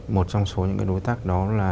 một trong số những đối tác đó là